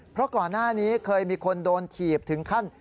เพราะก่อนหน้านี้เคยมีคนโดนถีบถึงขั้น